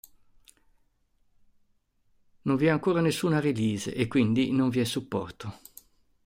Non vi è ancora nessuna "release" e quindi non vi è supporto.